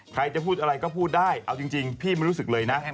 ใครจะพูดอะไรก็พูดได้เอาจริงพี่ไม่รู้สึกเลยนะ